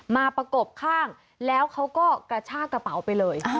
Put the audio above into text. ประกบข้างแล้วเขาก็กระชากระเป๋าไปเลย